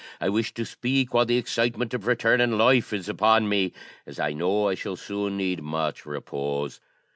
I wish to speak while the excitement of returning life is upon me, as I know I shall soon need much repose.